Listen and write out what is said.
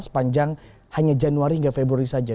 sepanjang hanya januari hingga februari saja